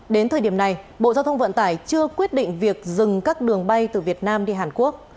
đến thời điểm này bộ giao thông vận tải chưa quyết định việc dừng các đường bay từ việt nam đi hàn quốc